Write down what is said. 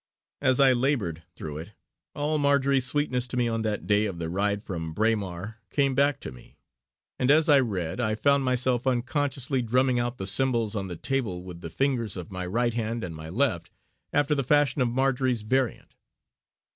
As I laboured through it, all Marjory's sweetness to me on that day of the ride from Braemar came back to me; and as I read I found myself unconsciously drumming out the symbols on the table with the fingers of my right hand and my left after the fashion of Marjory's variant.